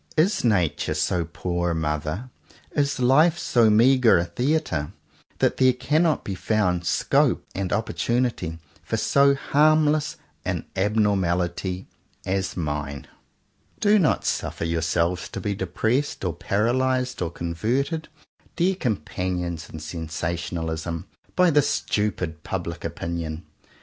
Is nature so poor a mother, is life so meagre a theatre, that there cannot be found scope and opportunity for so harmless an abnormality as mine.^ Do not suffer yourselves to be depressed or paralyzed or converted, dear companions 101 CONFESSIONS OF TWO BROTHERS in sensationalism, by this stupid Public Opinion.